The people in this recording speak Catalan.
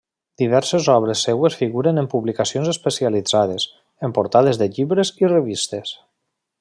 Diverses obres seues figuren en publicacions especialitzades, en portades de llibres i revistes.